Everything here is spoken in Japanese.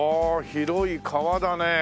広い川だねえ。